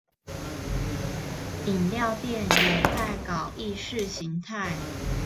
飲料店也在搞意識形態